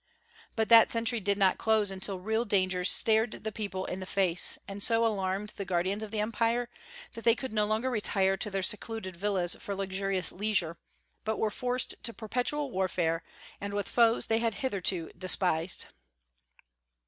But that century did not close until real dangers stared the people in the face, and so alarmed the guardians of the Empire that they no longer could retire to their secluded villas for luxurious leisure, but were forced to perpetual warfare, and with foes they had hitherto despised.